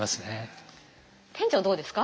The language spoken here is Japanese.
店長どうですか？